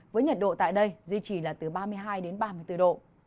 với nhiệt độ tại đây duy trì là từ ba mươi hai đến ba mươi bốn độ